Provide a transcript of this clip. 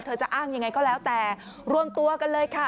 จะอ้างยังไงก็แล้วแต่รวมตัวกันเลยค่ะ